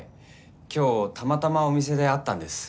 今日たまたまお店で会ったんです。